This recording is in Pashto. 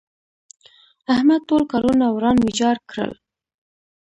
احمد ټول کارونه وران ويجاړ کړل.